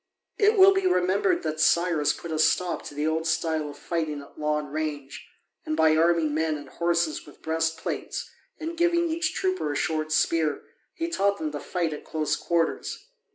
It will be remembered that Cyrus put a stop to the old style of fighting at long range, and by arming men and horses with breastplates and giving each trooper a short spear he taught them to fight at close quarters.